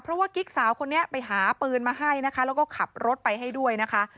เพราะว่ากิ๊กสาวคนนี้ไปหาปืนมาให้นะคะแล้วก็ขับรถไปให้ด้วยนะคะ